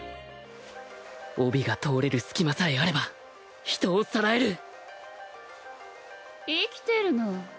帯が通れる隙間さえあれば人をさらえる生きてるの。